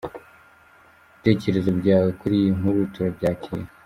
Ibitekerezo byawe kuri iyi nkuru turabyakira.